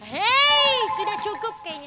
hei sudah cukup kayaknya